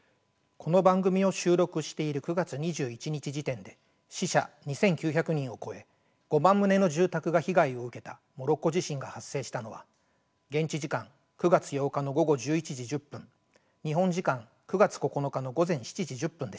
この番組を収録している９月２１日時点で死者２，９００人を超え５万棟の住宅が被害を受けたモロッコ地震が発生したのは現地時間９月８日の午後１１時１０分日本時間９月９日の午前７時１０分でした。